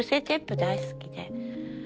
テープ大好きで。